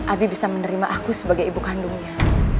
abi bisa menerima aku sebagai ibu kandungnya